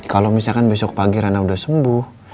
kalau misalkan besok pagi rana udah sembuh